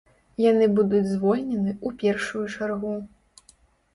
Яны будуць звольнены ў першую чаргу.